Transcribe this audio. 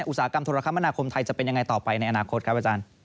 อุตสาหกรรมธุรกรรมนาคมไทยจะเป็นยังไงต่อไปในอนาคตครับอาจารย์